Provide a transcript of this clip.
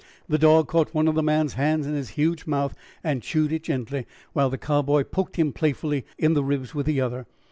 The dog caught one of the man's hands in his huge mouth and chewed it gently, while the Cowboy poked him playfully in the ribs with the other.